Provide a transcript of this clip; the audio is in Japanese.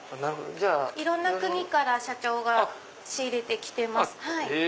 いろんな国から社長が仕入れて来てます。